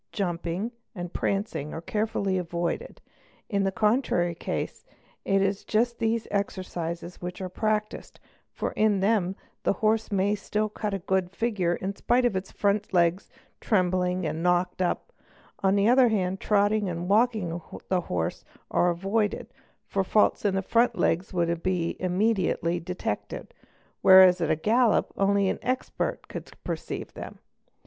jumping and prancing are carefully avoided ; in the contrary case it is just these exercises which are practised, for in them HORSE FRAUDS 801 the horse may still cut a good figure in spite of its front legs, trembling _ and knocked up; on the other hand trotting and walking the horse are avoided, for faults in the front legs would immediately be detected, _ whereas at a gallop only an expert could perceive them.